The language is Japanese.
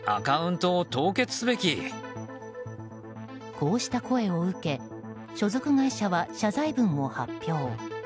こうした声を受け、所属会社は謝罪文を発表。